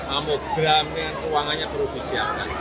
amogramnya ruangannya perlu disiapkan